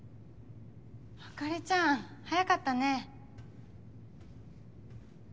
朱梨ちゃん早かったね。